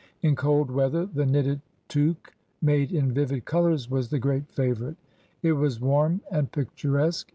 In cold weather the knitted tuque made in vivid colors was the great favorite. It was warm and picturesque.